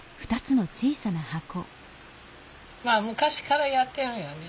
まあ昔からやってるよね。